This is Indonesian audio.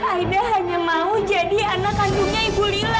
aida hanya mau jadi anak kandungnya ibu lila